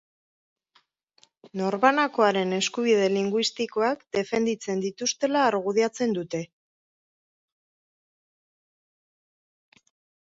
Norbanakoaren eskubide linguistikoak defenditzen dituztela argudiatzen dute.